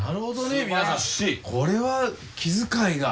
これは気遣いが。